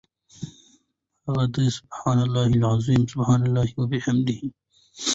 هغه دي سُبْحَانَ اللَّهِ العَظِيمِ، سُبْحَانَ اللَّهِ وَبِحَمْدِهِ .